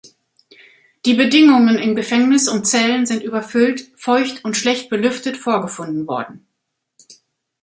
Die Bedingungen im Gefängnis und Zellen sind überfüllt, feucht und schlecht belüftet vorgefunden geworden.